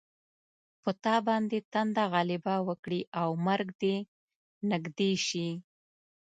په تا باندې تنده غلبه وکړي او مرګ دې نږدې شي.